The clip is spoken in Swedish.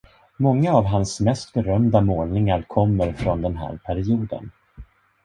Många av hans mest berömda målningar kommer från den här perioden.